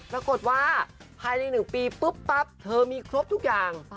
รับกฎว่าภายในหนึ่งปีปุ๊บเธอมีครบทุกอย่าง